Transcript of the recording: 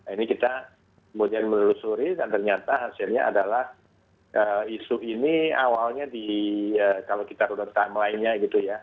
ini kita kemudian melusuri dan ternyata hasilnya adalah isu ini awalnya di kalau kita berdataan lainnya gitu ya